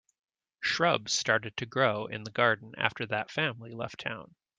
Shrubs started to grow in the garden after that family left town.